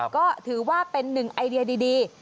ก็ถือว่าเป็นหนึ่งไอเดียดี